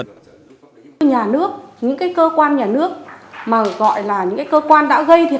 những cái nhà nước những cái cơ quan nhà nước mà gọi là những cái cơ quan đã gây bồi thường